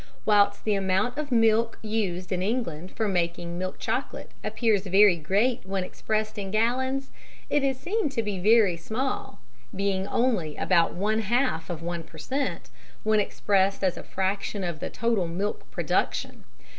Whilst the amount of milk used in England for making milk chocolate appears very great when expressed in gallons, it is seen to be very small (being only about one half of one per cent.) when expressed as a fraction of the total milk production.